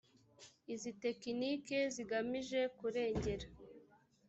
izi tekiniki zigamije kurengera